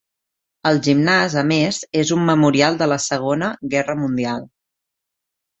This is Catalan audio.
El gimnàs a més és un memorial de la Segona Guerra Mundial.